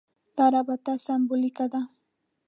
دا رابطه سېمبولیکه ده.